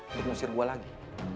untuk ngusir gue lagi